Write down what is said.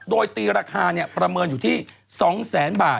โดยตีราคาประเมินอยู่ที่๒แสนบาท